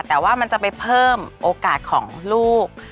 แต่ว่ามันจะไปเพิ่มโอกาสของลูก